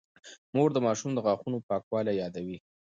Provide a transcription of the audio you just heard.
مور د ماشوم د غاښونو پاکوالی يادوي.